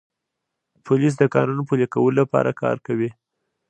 پولیس د قانون پلي کولو لپاره کار کوي.